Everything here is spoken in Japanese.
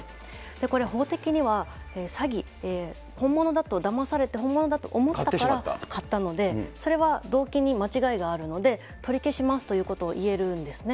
これ、法的には、詐欺、本物だとだまされて、本物だと思ったから買ったので、それは動機に間違いがあるので、取り消しますということを言えるんですね。